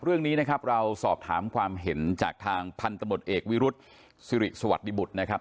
เรื่องนี้นะครับเราสอบถามความเห็นจากทางพันธมตเอกวิรุษสิริสวัสดิบุตรนะครับ